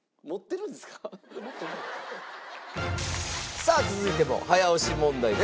さあ続いても早押し問題です。